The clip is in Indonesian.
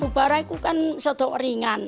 mubara itu kan sedok ringan